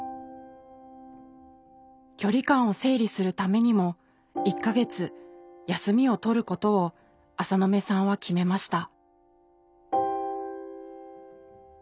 距離感を整理するためにも１か月休みを取ることを浅野目さんは決めました。